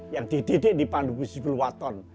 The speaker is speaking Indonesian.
yang dididik di pandu busi pulwaton